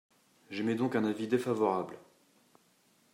J’émets donc un avis défavorable.